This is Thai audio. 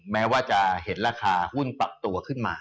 แม้ว่าจะเห็นราคาหุ้นปรับตัวขึ้นมา